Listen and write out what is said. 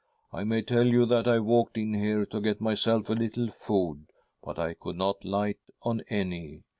' I may tell you that I walked in here to get myself a little food, but I could not light on any.